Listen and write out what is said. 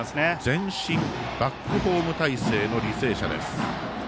前進バックホーム態勢の履正社です。